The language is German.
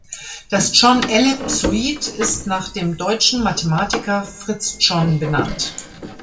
Das John-Ellipsoid ist nach dem deutschen Mathematiker Fritz John benannt.